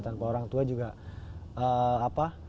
tanpa orang tua juga apa